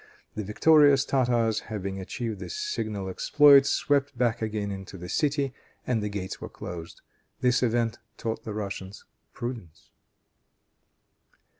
The victorious Tartars, having achieved this signal exploit, swept back again into the city and the gates were closed. This event taught the Russians prudence.